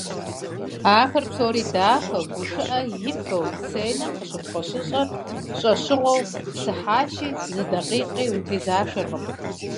Ахэр псори дахэу, гушыӏэр и бэу, сценэм къыщыхъу-къыщыщӏэр щӏэщыгъуэу псыхьащи, зы дакъикъи утезашэркъым.